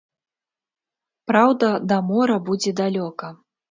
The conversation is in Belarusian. Праўда, да мора будзе далёка.